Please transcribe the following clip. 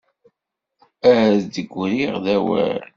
Ad d-griɣ d awal.